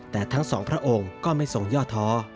แต่ทั้งสองพระองค์ก็ไม่ทรงย่อท้อ